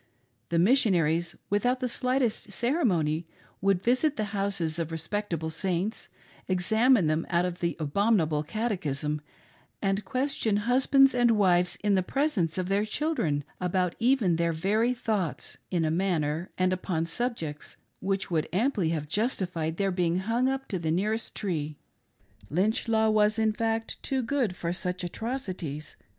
The Missionaries, without the slightest ceremony, would visit the houses of respectable Saints, examine them out of the abominable catechism, and question husbands and wives in the presence of their children about even their very thoughts, in a manner, and upon subjects, which would amply have justified their being hung up to the nearest tree — Lynch law was in fact too good for such atrocities.